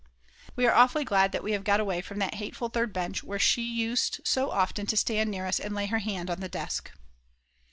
We are awfully glad that we have got away from that hateful third bench where she used so often to stand near us and lay her hand on the desk.